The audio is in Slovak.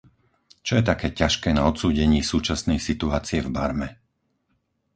Čo je také ťažké na odsúdení súčasnej situácie v Barme?